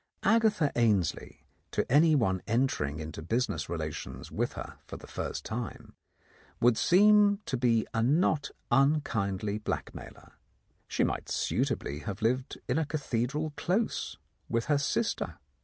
Agatha Ainslie, to anyone entering into business relations with her for the first time, would seem to be a not unkindly blackmailer ; she might suitably have lived in a cathedral close, with her sister.